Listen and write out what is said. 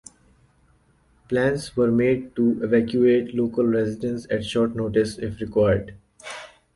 Plans were made to evacuate local residents at short notice if required.